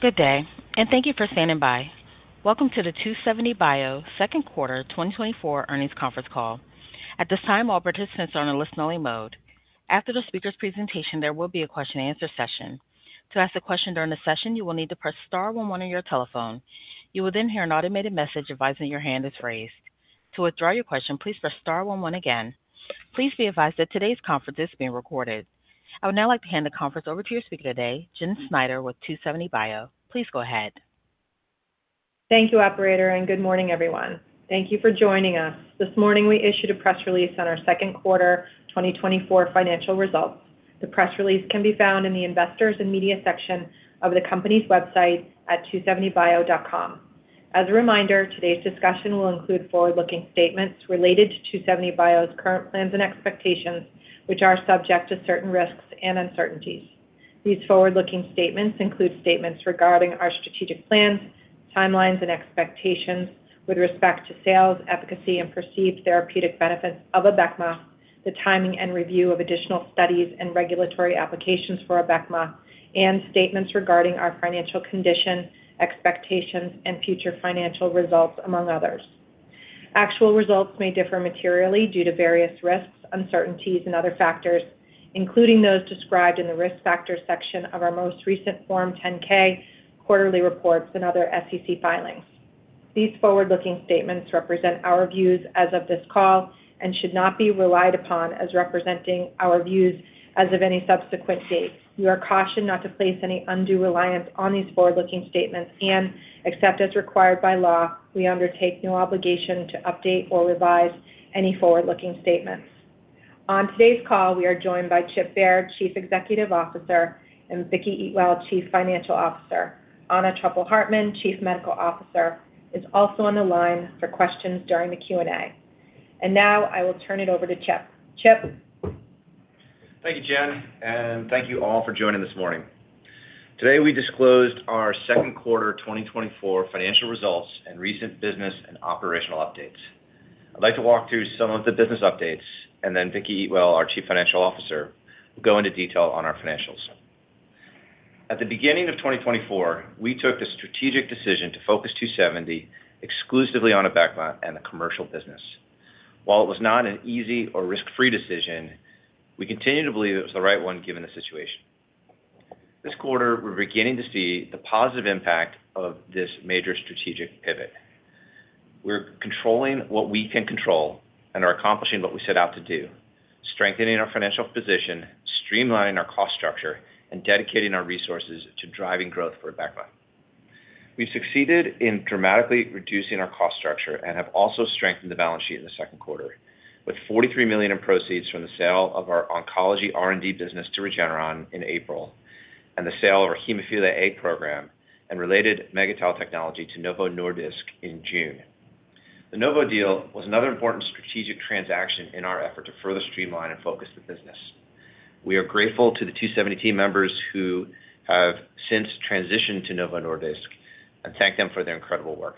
Good day, and thank you for standing by. Welcome to the 2seventy bio Second Quarter 2024 Earnings Conference Call. At this time, all participants are on a listen-only mode. After the speaker's presentation, there will be a question-and-answer session. To ask a question during the session, you will need to press star one one on your telephone. You will then hear an automated message advising your hand is raised. To withdraw your question, please press star one one again. Please be advised that today's conference is being recorded. I would now like to hand the conference over to your speaker today, Jenn Snyder, with 2seventy bio. Please go ahead. Thank you, operator, and good morning, everyone. Thank you for joining us. This morning, we issued a press release on our second quarter 2024 financial results. The press release can be found in the Investors and Media section of the company's website at 2seventybio.com. As a reminder, today's discussion will include forward-looking statements related to 2seventy bio's current plans and expectations, which are subject to certain risks and uncertainties. These forward-looking statements include statements regarding our strategic plans, timelines, and expectations with respect to sales, efficacy, and perceived therapeutic benefits of Abecma, the timing and review of additional studies and regulatory applications for Abecma, and statements regarding our financial condition, expectations, and future financial results, among others. Actual results may differ materially due to various risks, uncertainties and other factors, including those described in the Risk Factors section of our most recent Form 10-K, quarterly reports, and other SEC filings. These forward-looking statements represent our views as of this call and should not be relied upon as representing our views as of any subsequent date. You are cautioned not to place any undue reliance on these forward-looking statements, and except as required by law, we undertake no obligation to update or revise any forward-looking statements. On today's call, we are joined by Chip Baird, Chief Executive Officer, and Vicki Eatwell, Chief Financial Officer. Anna Truppel-Hartmann, Chief Medical Officer, is also on the line for questions during the Q&A. And now I will turn it over to Chip. Chip? Thank you, Jenn, and thank you all for joining this morning. Today, we disclosed our second quarter 2024 financial results and recent business and operational updates. I'd like to walk through some of the business updates, and then Vicki Eatwell, our Chief Financial Officer, will go into detail on our financials. At the beginning of 2024, we took the strategic decision to focus 2seventy bio exclusively on Abecma and the commercial business. While it was not an easy or risk-free decision, we continue to believe it was the right one, given the situation. This quarter, we're beginning to see the positive impact of this major strategic pivot. We're controlling what we can control and are accomplishing what we set out to do, strengthening our financial position, streamlining our cost structure, and dedicating our resources to driving growth for Abecma. We've succeeded in dramatically reducing our cost structure and have also strengthened the balance sheet in the second quarter, with $43 million in proceeds from the sale of our oncology R&D business to Regeneron in April, and the sale of our Hemophilia A program and related megaTAL technology to Novo Nordisk in June. The Novo deal was another important strategic transaction in our effort to further streamline and focus the business. We are grateful to the 2seventy team members who have since transitioned to Novo Nordisk and thank them for their incredible work.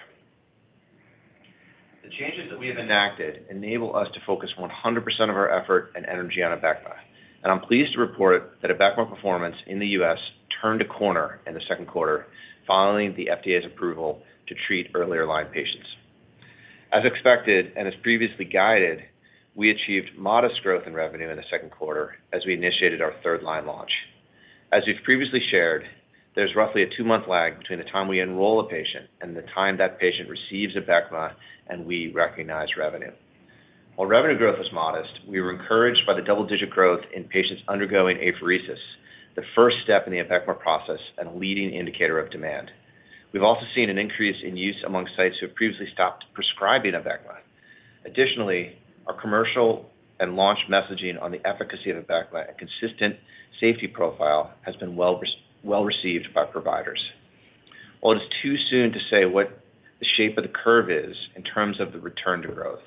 The changes that we have enacted enable us to focus 100% of our effort and energy on Abecma, and I'm pleased to report that Abecma performance in the U.S. turned a corner in the second quarter following the FDA's approval to treat earlier-line patients. As expected and as previously guided, we achieved modest growth in revenue in the second quarter as we initiated our third-line launch. As we've previously shared, there's roughly a two-month lag between the time we enroll a patient and the time that patient receives Abecma, and we recognize revenue. While revenue growth was modest, we were encouraged by the double-digit growth in patients undergoing apheresis, the first step in the Abecma process and a leading indicator of demand. We've also seen an increase in use among sites who have previously stopped prescribing Abecma. Additionally, our commercial and launch messaging on the efficacy of Abecma and consistent safety profile has been well received by providers. While it is too soon to say what the shape of the curve is in terms of the return to growth,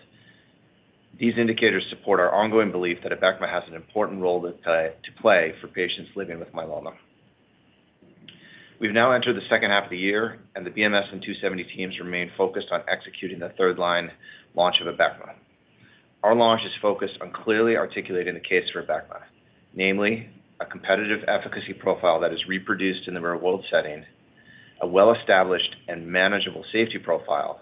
these indicators support our ongoing belief that Abecma has an important role to to play for patients living with myeloma. We've now entered the second half of the year, and the BMS and 2seventy teams remain focused on executing the third line launch of Abecma. Our launch is focused on clearly articulating the case for Abecma, namely, a competitive efficacy profile that is reproduced in the real-world setting, a well-established and manageable safety profile,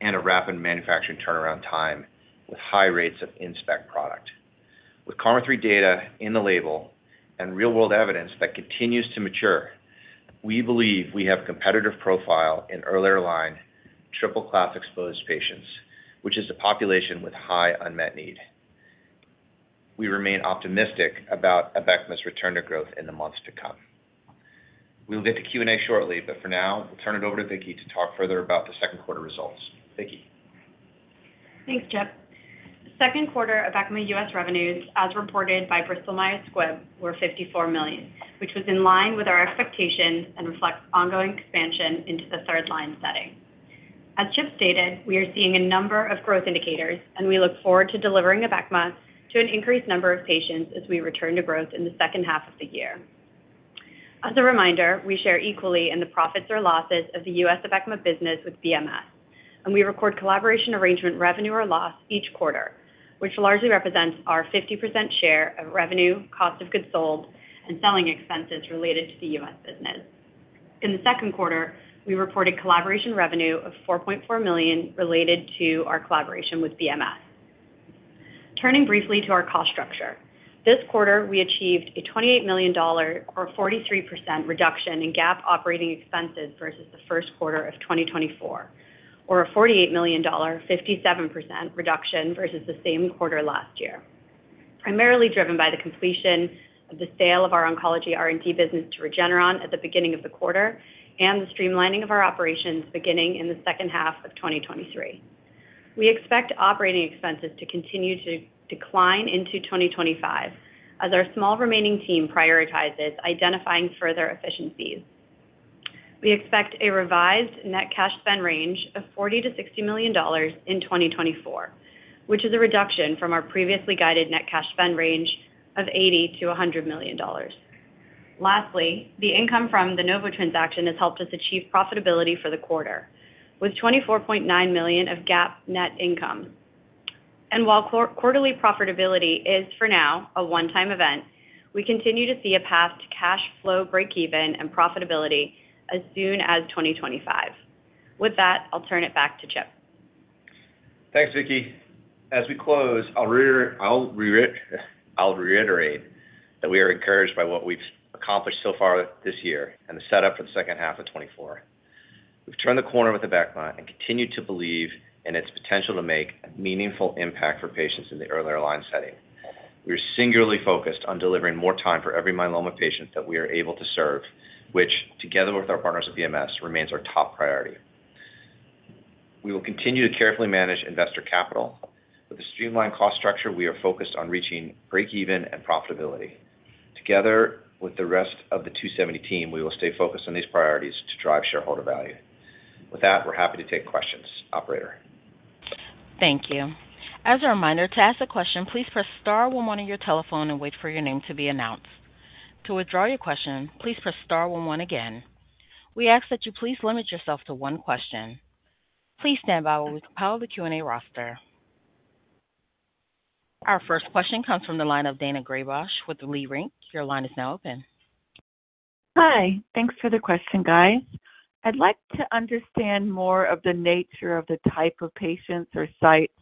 and a rapid manufacturing turnaround time with high rates of in-spec product. With KarMMa-3 data in the label and real-world evidence that continues to mature, we believe we have competitive profile in earlier-line triple-class-exposed patients, which is a population with high unmet need. We remain optimistic about Abecma's return to growth in the months to come. We will get to Q&A shortly, but for now, we'll turn it over to Vicki to talk further about the second quarter results. Vicki? Thanks, Chip. Second quarter Abecma U.S. revenues, as reported by Bristol Myers Squibb, were $54 million, which was in line with our expectations and reflects ongoing expansion into the third-line setting. As Chip stated, we are seeing a number of growth indicators, and we look forward to delivering Abecma to an increased number of patients as we return to growth in the second half of the year. As a reminder, we share equally in the profits or losses of the U.S. Abecma business with BMS. We record collaboration arrangement revenue or loss each quarter, which largely represents our 50% share of revenue, cost of goods sold, and selling expenses related to the U.S. business. In the second quarter, we reported collaboration revenue of $4.4 million related to our collaboration with BMS. Turning briefly to our cost structure. This quarter, we achieved a $28 million or 43% reduction in GAAP operating expenses versus the first quarter of 2024, or a $48 million, 57% reduction versus the same quarter last year, primarily driven by the completion of the sale of our oncology R&D business to Regeneron at the beginning of the quarter and the streamlining of our operations beginning in the second half of 2023. We expect operating expenses to continue to decline into 2025 as our small remaining team prioritizes identifying further efficiencies. We expect a revised net cash spend range of $40 million-$60 million in 2024, which is a reduction from our previously guided net cash spend range of $80 million-$100 million. Lastly, the income from the Novo transaction has helped us achieve profitability for the quarter, with $24.9 million of GAAP net income. And while quarterly profitability is, for now, a one-time event, we continue to see a path to cash flow breakeven and profitability as soon as 2025. With that, I'll turn it back to Chip. Thanks, Vicki. As we close, I'll reiterate that we are encouraged by what we've accomplished so far this year and the setup for the second half of 2024. We've turned the corner with Abecma and continue to believe in its potential to make a meaningful impact for patients in the earlier line setting. We are singularly focused on delivering more time for every myeloma patient that we are able to serve, which, together with our partners at BMS, remains our top priority. We will continue to carefully manage investor capital. With the streamlined cost structure, we are focused on reaching breakeven and profitability. Together with the rest of the 2seventy team, we will stay focused on these priorities to drive shareholder value. With that, we're happy to take questions. Operator? Thank you. As a reminder, to ask a question, please press star one one on your telephone and wait for your name to be announced. To withdraw your question, please press star one one again. We ask that you please limit yourself to one question. Please stand by while we compile the Q&A roster. Our first question comes from the line of Daina Graybosch with Leerink. Your line is now open. Hi. Thanks for the question, guys. I'd like to understand more of the nature of the type of patients or sites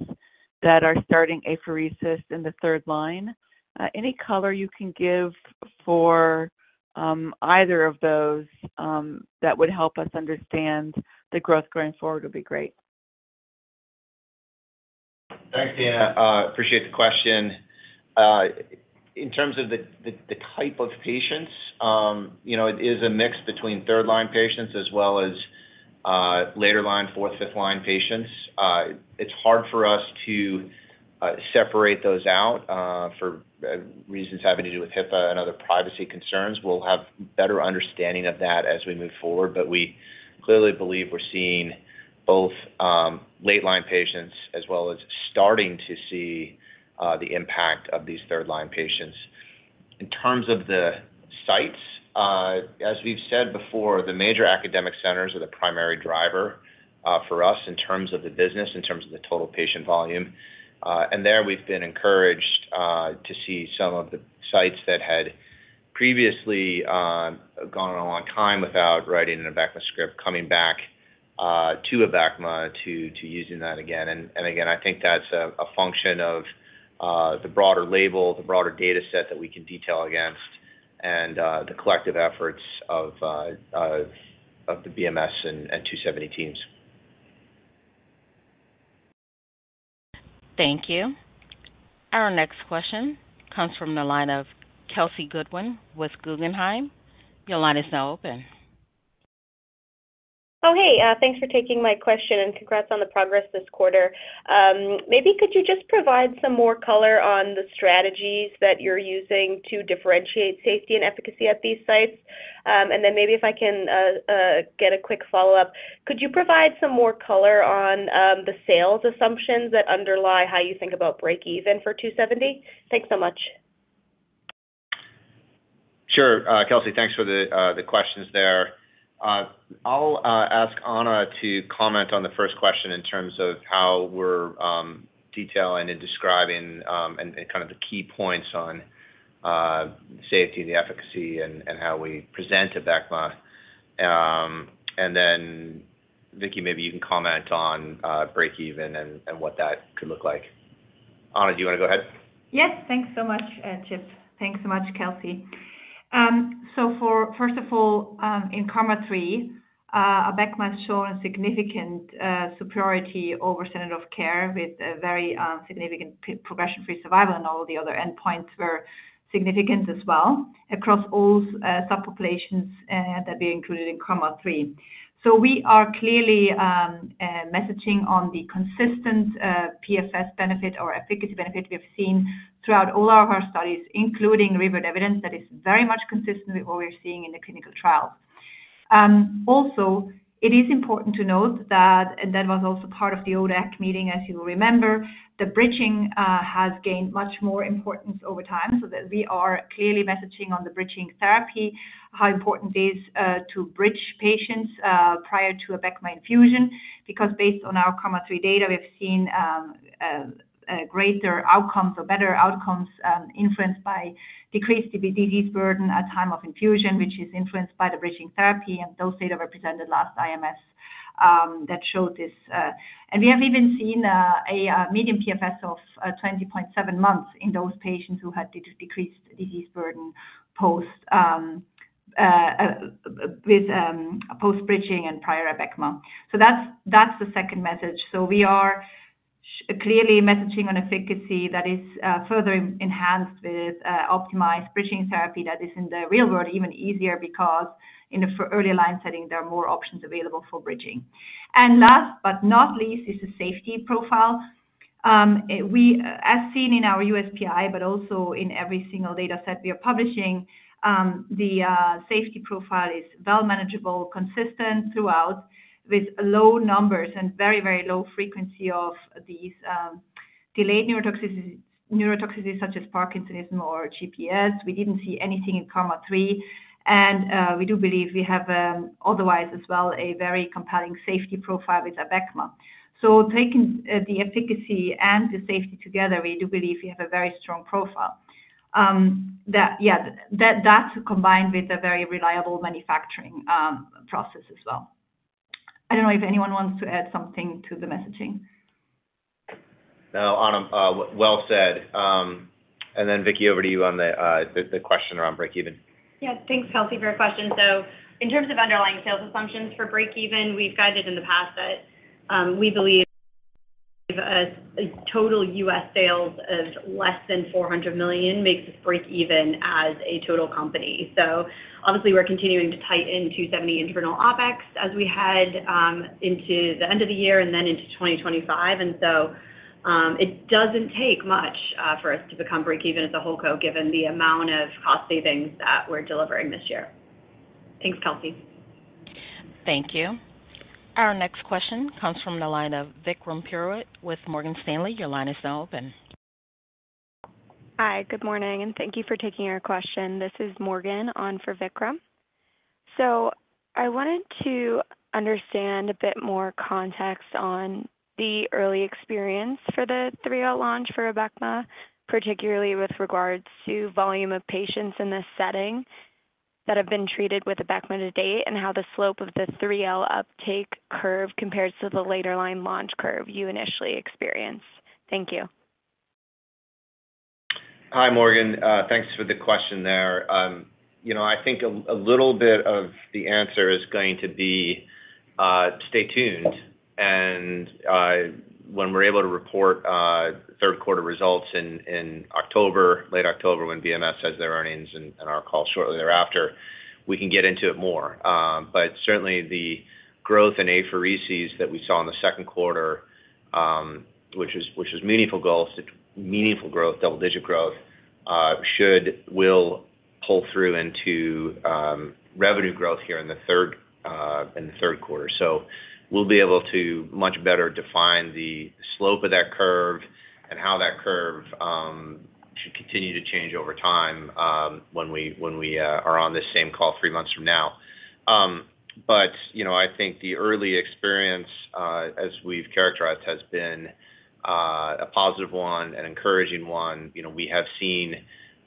that are starting apheresis in the third line. Any color you can give for either of those that would help us understand the growth going forward would be great. Thanks, Daina. Appreciate the question. In terms of the type of patients, you know, it is a mix between third line patients as well as later line, fourth, fifth line patients. It's hard for us to separate those out for reasons having to do with HIPAA and other privacy concerns. We'll have better understanding of that as we move forward, but we clearly believe we're seeing both late line patients as well as starting to see the impact of these third-line patients. In terms of the sites, as we've said before, the major academic centers are the primary driver for us in terms of the business, in terms of the total patient volume. And there, we've been encouraged to see some of the sites that had previously gone on a long time without writing an Abecma script, coming back to Abecma to using that again. And again, I think that's a function of the broader label, the broader data set that we can detail against and of the BMS and 2seventy teams. Thank you. Our next question comes from the line of Kelsey Goodwin with Guggenheim. Your line is now open. Oh, hey, thanks for taking my question, and congrats on the progress this quarter. Maybe could you just provide some more color on the strategies that you're using to differentiate safety and efficacy at these sites? And then maybe if I can get a quick follow-up. Could you provide some more color on the sales assumptions that underlie how you think about breakeven for 2seventy? Thanks so much. Sure, Kelsey, thanks for the questions there. I'll ask Anna to comment on the first question in terms of how we're detailing and describing and kind of the key points on safety and the efficacy and how we present Abecma. And then, Vicki, maybe you can comment on breakeven and what that could look like. Anna, do you wanna go ahead? Yes. Thanks so much, Chip. Thanks so much, Kelsey. So first of all, in KarMMa-3, Abecma has shown a significant superiority over standard of care with a very significant progression-free survival, and all the other endpoints were significant as well across all subpopulations that be included in KarMMa-3. So we are clearly messaging on the consistent PFS benefit or efficacy benefit we have seen throughout all of our studies, including real-world evidence that is very much consistent with what we're seeing in the clinical trial. Also, it is important to note that, and that was also part of the ODAC meeting, as you will remember, the bridging has gained much more importance over time, so that we are clearly messaging on the bridging therapy, how important it is to bridge patients prior to a Abecma infusion, because based on our KarMMa-3 data, we've seen a greater outcomes or better outcomes influenced by decreased disease burden at time of infusion, which is influenced by the bridging therapy, and those data were presented last IMS that showed this. And we have even seen a median PFS of 20.7 months in those patients who had decreased disease burden post-bridging and prior Abecma. So that's the second message. So we are clearly messaging on efficacy that is further enhanced with optimized bridging therapy that is in the real world, even easier because in a frontline setting, there are more options available for bridging. Last but not least, is the safety profile. We as seen in our USPI, but also in every single data set we are publishing, the safety profile is well manageable, consistent throughout, with low numbers and very, very low frequency of these delayed neurotoxicities such as Parkinsonism or GBS. We didn't see anything in KarMMa-3, and we do believe we have otherwise as well, a very compelling safety profile with Abecma. So taking the efficacy and the safety together, we do believe we have a very strong profile. Yeah, that combined with a very reliable manufacturing process as well. I don't know if anyone wants to add something to the messaging. No, Anna, well said. And then Vicki, over to you on the question around breakeven. Yeah, thanks, Kelsey, for your question. So in terms of underlying sales assumptions for breakeven, we've guided in the past that we believe a total U.S. sales of less than $400 million makes us breakeven as a total company. So obviously, we're continuing to tighten 2seventy internal OpEx as we head into the end of the year and then into 2025. And so, it doesn't take much for us to become breakeven as a whole company, given the amount of cost savings that we're delivering this year. Thanks, Kelsey. Thank you. Our next question comes from the line of Vikram Purohit with Morgan Stanley. Your line is now open. Hi, good morning, and thank you for taking our question. This is Morgan on for Vikram. I wanted to understand a bit more context on the early experience for the 3-L launch for Abecma, particularly with regards to volume of patients in this setting that have been treated with Abecma to date, and how the slope of the 3-L uptake curve compares to the later line launch curve you initially experienced. Thank you. Hi, Morgan. Thanks for the question there. You know, I think a little bit of the answer is going to be stay tuned. And when we're able to report third quarter results in October, late October, when BMS has their earnings and our call shortly thereafter, we can get into it more. But certainly, the growth in apheresis that we saw in the second quarter, which is meaningful goals, meaningful growth, double-digit growth, should will pull through into revenue growth here in the third quarter. So we'll be able to much better define the slope of that curve and how that curve should continue to change over time, when we are on this same call three months from now. But, you know, I think the early experience, as we've characterized, has been a positive one, an encouraging one. You know, we have seen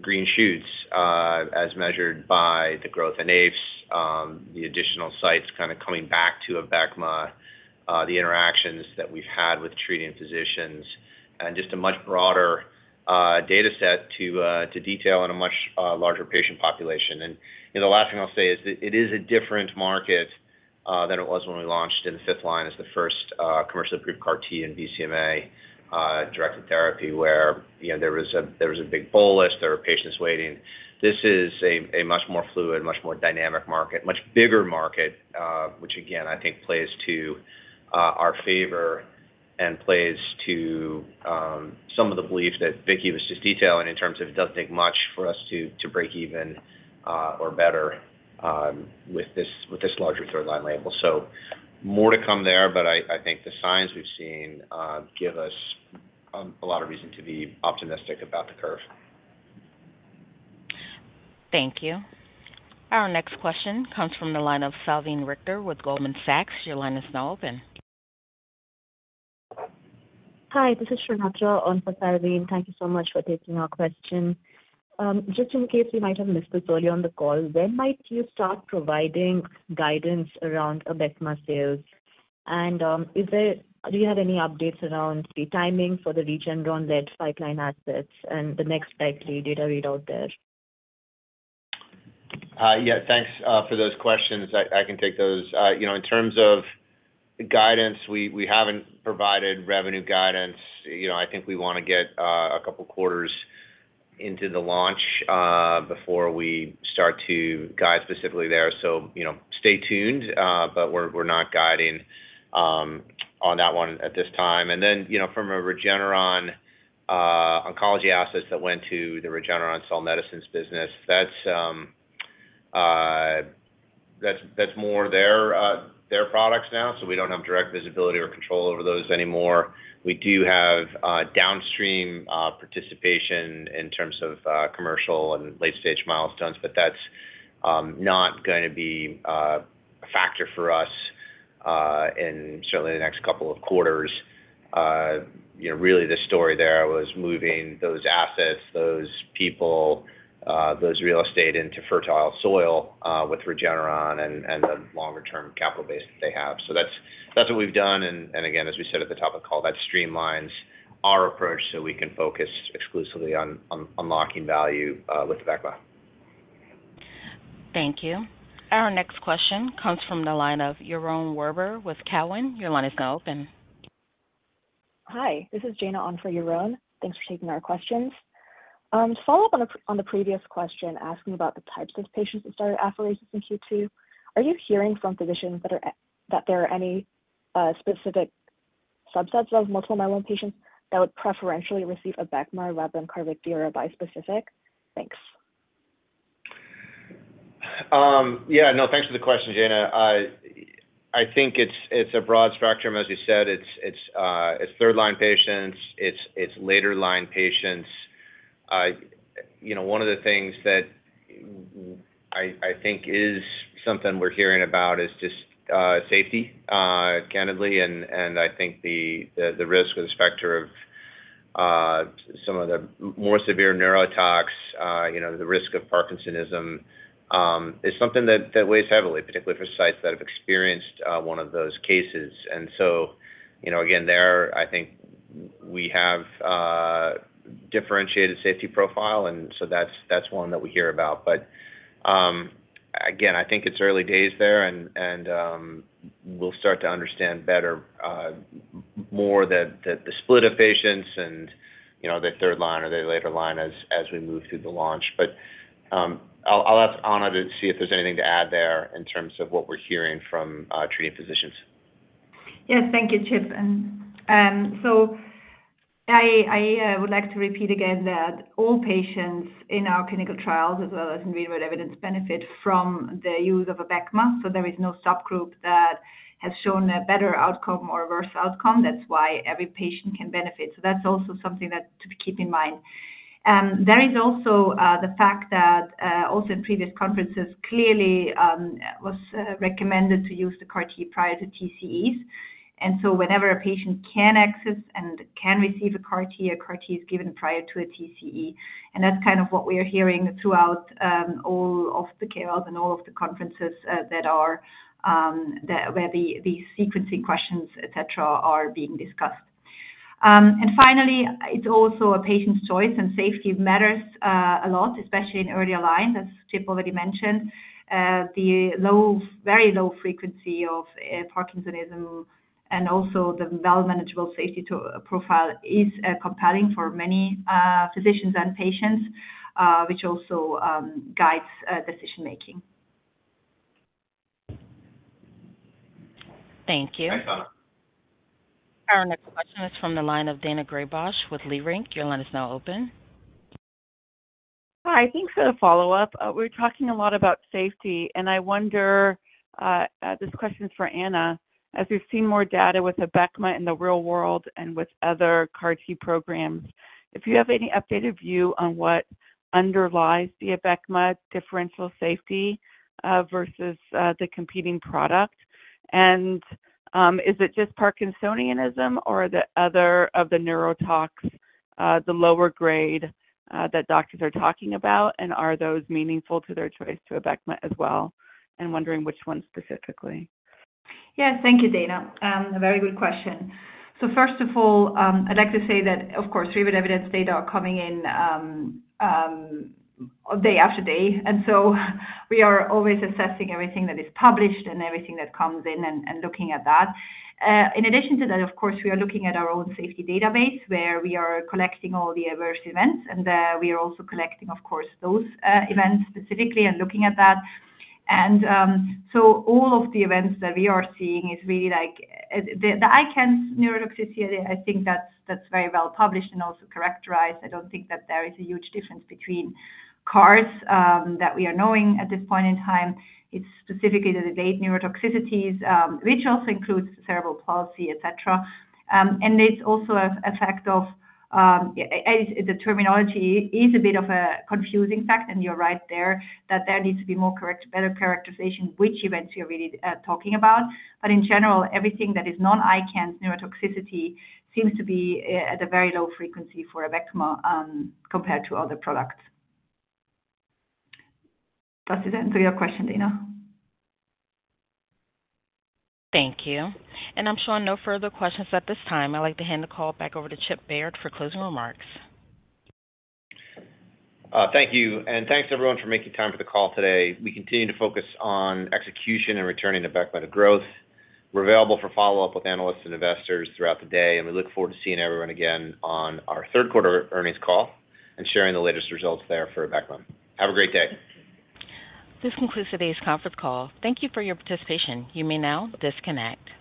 green shoots, as measured by the growth in aphs, the additional sites kind of coming back to Abecma, the interactions that we've had with treating physicians, and just a much broader data set to detail on a much larger patient population. And, you know, the last thing I'll say is that it is a different market than it was when we launched in fifth line as the first commercially approved CAR T in BCMA directed therapy, where, you know, there was a big bolus, there were patients waiting. This is a much more fluid, much more dynamic market, much bigger market, which again, I think plays to our favor and plays to some of the beliefs that Vicki was just detailing in terms of it doesn't take much for us to breakeven or better with this larger third-line label. So more to come there, but I think the signs we've seen give us a lot of reason to be optimistic about the curve. Thank you. Our next question comes from the line of Salveen Richter with Goldman Sachs. Your line is now open. Hi, this is Sreenath on for Salveen. Thank you so much for taking our question. Just in case you might have missed this early on the call, when might you start providing guidance around Abecma sales? And, do you have any updates around the timing for the Regeneron-led pipeline assets and the next likely data read out there? Yeah, thanks for those questions. I can take those. You know, in terms of guidance, we haven't provided revenue guidance. You know, I think we wanna get a couple quarters into the launch before we start to guide specifically there. So, you know, stay tuned, but we're not guiding on that one at this time. And then, you know, from a Regeneron oncology assets that went to the Regeneron Cell Medicines business, that's more their products now, so we don't have direct visibility or control over those anymore. We do have downstream participation in terms of commercial and late-stage milestones, but that's not gonna be a factor for us in certainly the next couple of quarters. You know, really the story there was moving those assets, those people, those real estate into fertile soil with Regeneron and the longer-term capital base that they have. So that's what we've done, and again, as we said at the top of the call, that streamlines our approach so we can focus exclusively on unlocking value with Abecma. Thank you. Our next question comes from the line of Yaron Werber with Cowen. Your line is now open. Hi, this is Yana on for Yaron. Thanks for taking our questions. Follow up on the, on the previous question asking about the types of patients that started apheresis in Q2. Are you hearing from physicians that there are any specific subsets of multiple myeloma patients that would preferentially receive Abecma rather than Carvykti bispecific? Thanks. Yeah, no, thanks for the question, Yana. I think it's a broad spectrum. As you said, it's third-line patients, it's later line patients. You know, one of the things that I think is something we're hearing about is just safety, candidly, and I think the risk or the specter of some of the more severe neurotox, you know, the risk of Parkinsonism is something that weighs heavily, particularly for sites that have experienced one of those cases. And so, you know, again, I think we have differentiated safety profile, and so that's one that we hear about. But, again, I think it's early days there, and we'll start to understand better more that the split of patients and, you know, the third line or the later line as we move through the launch. But, I'll ask Anna to see if there's anything to add there in terms of what we're hearing from treating physicians. Yes, thank you, Chip. And, so I would like to repeat again that all patients in our clinical trials, as well as in real-world evidence, benefit from the use of Abecma. So there is no subgroup that has shown a better outcome or worse outcome. That's why every patient can benefit. So that's also something that to keep in mind. There is also the fact that also in previous conferences, clearly was recommended to use the CAR T prior to TCEs. And so whenever a patient can access and can receive a CAR T, a CAR T is given prior to a TCE. And that's kind of what we are hearing throughout all of the KOLs and all of the conferences that where the sequencing questions, et cetera, are being discussed. Finally, it's also a patient's choice, and safety matters a lot, especially in earlier line, as Chip already mentioned. The low, very low frequency of Parkinsonism and also the well-manageable safety profile is compelling for many physicians and patients, which also guides decision-making. Thank you. Thanks, Anna. Our next question is from the line of Daina Graybosch with Leerink Partners. Your line is now open. Hi, thanks for the follow-up. We're talking a lot about safety, and I wonder, this question is for Anna. As we've seen more data with Abecma in the real world and with other CAR T programs, if you have any updated view on what underlies the Abecma differential safety, versus, the competing product. And, is it just Parkinsonism or are the other of the neurotox, the lower grade, that doctors are talking about? And are those meaningful to their choice to Abecma as well? I'm wondering which ones specifically. Yes, thank you, Daina. A very good question. So first of all, I'd like to say that, of course, real world evidence data are coming in, day after day, and so we are always assessing everything that is published and everything that comes in and looking at that. In addition to that, of course, we are looking at our own safety database, where we are collecting all the adverse events, and we are also collecting, of course, those events specifically and looking at that. And so all of the events that we are seeing is really like the ICANS neurotoxicity, I think that's very well published and also characterized. I don't think that there is a huge difference between CARs that we are knowing at this point in time. It's specifically the late neurotoxicities, which also includes cranial nerve palsy, et cetera. It's also a fact of the terminology is a bit of a confusing fact, and you're right there, that there needs to be more correct, better characterization, which events you're really talking about. But in general, everything that is non-ICANS neurotoxicity seems to be at a very low frequency for Abecma, compared to other products. Does that answer your question, Daina? Thank you. I'm showing no further questions at this time. I'd like to hand the call back over to Chip Baird for closing remarks. Thank you, and thanks, everyone, for making time for the call today. We continue to focus on execution and returning the Abecma to growth. We're available for follow-up with analysts and investors throughout the day, and we look forward to seeing everyone again on our third quarter earnings call and sharing the latest results there for Abecma. Have a great day. This concludes today's conference call. Thank you for your participation. You may now disconnect.